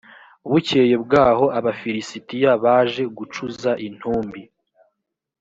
bukeye bwaho abafilisitiya baje gucuza intumbi